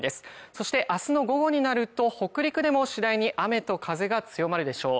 そして明日の午後になると北陸でも次第に雨と風が強まるでしょう